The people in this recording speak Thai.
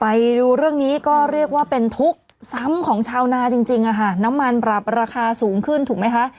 ไปดูเรื่องนี้ก็เรียกว่าเป็นทุกข์ซ้ำของชาวนาจริงจริงอะค่ะน้ำมันปรับราคาสูงขึ้นถูกไหมคะ